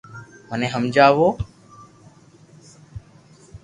مني ھمجاوُ